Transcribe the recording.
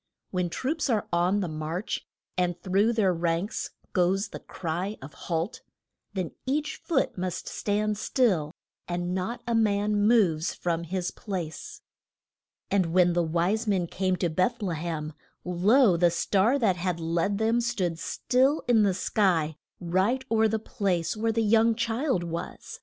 When troops are on the march, and through their ranks goes the cry of Halt! then each foot must stand still, and not a man moves from his place. And when the wise men came to Beth le hem, lo, the star that had led them stood still in the sky, right o'er the place where the young child was.